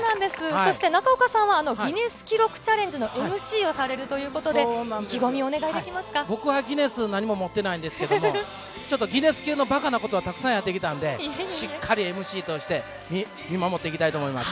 そして、中岡さんはギネス記録チャレンジのＭＣをされるということで、僕はギネス、何も持ってないんですけども、ちょっとギネス級のばかなことはたくさんやってきたので、しっかりＭＣとして、見守っていきたいと思います。